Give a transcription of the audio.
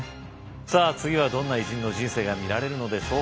さあ次はどんな偉人の人生が見られるのでしょうか。